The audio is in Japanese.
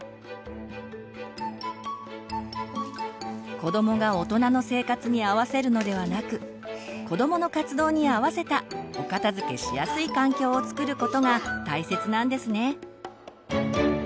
子どもが大人の生活に合わせるのではなく子どもの活動に合わせたお片づけしやすい環境をつくることが大切なんですね。